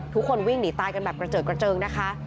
ทุกคนวิ่งหนีตายกันแบบกระเจิดกระเจิงนะคะ